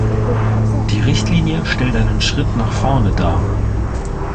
Die Richtlinie stellt einen Schritt nach vorne dar.